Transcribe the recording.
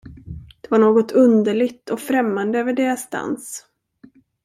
De var något underligt och främmande över deras dans.